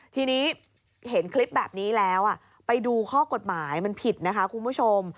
ทีนี้เห็นคลิปแบบนี้แล้วไปดูข้อกฎหมายมันผิดนะคะคุณผู้ชม